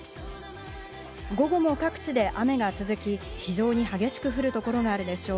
午後も各地で雨が続き、非常に激しく降る所があるでしょう。